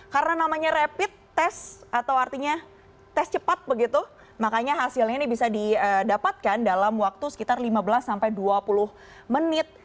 karena namanya rapid test atau artinya tes cepat begitu makanya hasilnya ini bisa didapatkan dalam waktu sekitar lima belas dua puluh menit